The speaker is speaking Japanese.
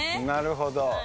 なるほど。